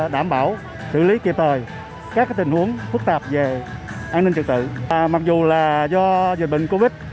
đảm bảo xử lý kịp thời các tình huống phức tạp về an ninh trực tự mặc dù là do dịch bệnh covid